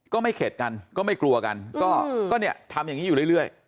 ไม่เข็ดกันก็ไม่กลัวกันก็เนี่ยทำอย่างนี้อยู่เรื่อย